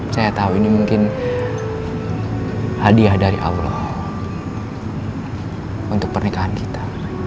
saya tahu ini mungkin hadiah dari allah untuk pernikahan kita